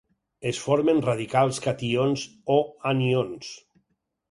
Es formen radicals cations o anions.